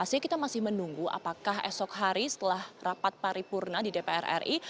dan pastinya kita masih menunggu apakah esok hari setelah rapat paripurna di dpr ri